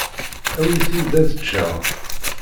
Awit-iyi-d ad ččeɣ.